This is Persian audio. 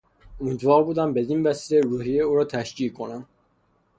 امیدوار بودم بدین وسیله روحیهی او را تشجیع کنم.